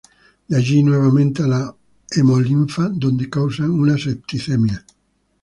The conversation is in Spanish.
De allí nuevamente a la hemolinfa donde causan una septicemia.